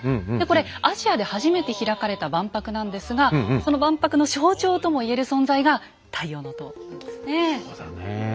これアジアで初めて開かれた万博なんですがその万博の象徴とも言える存在が「太陽の塔」なんですね。そうだねえ。